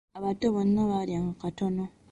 Abato bonna baalyanga katono.